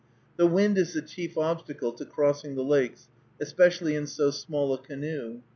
The wind is the chief obstacle to crossing the lakes, especially in so small a canoe.